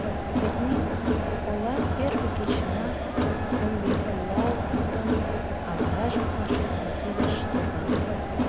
Вет Минск ола первый кечынак бомбитлалтын, а варажым фашист кидыш логалын...